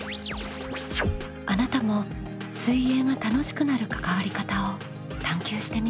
あなたも水泳が楽しくなる関わり方を探究してみませんか？